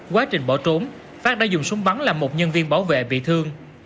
quá trình bỏ trốn phát đã dùng súng bắn làm một nhân viên bảo vệ bị thương